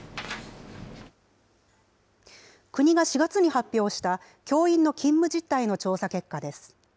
国が４月に発表した、教員の勤務実態の調査結果です。